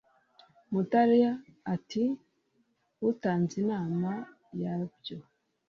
Mutara ati Untanze inama yabyo